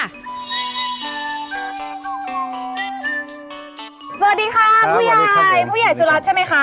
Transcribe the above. สวัสดีค่ะผู้ใหญ่สุรัสใช่ไหมคะ